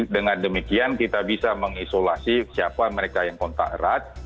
dengan demikian kita bisa mengisolasi siapa mereka yang kontak erat